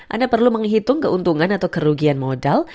anda perlu menghitung keuntungan atau kerugian modal